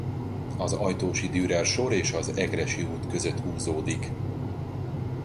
Az Ajtósi Dürer sor és az Egressy út között húzódik.